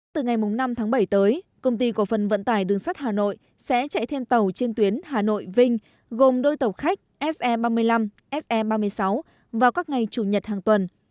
từ ngày năm tháng bảy tới công ty cổ phần vận tải đường sắt hà nội sẽ chạy thêm tàu trên tuyến hà nội vinh gồm đôi tàu khách se ba mươi năm se ba mươi sáu vào các ngày chủ nhật hàng tuần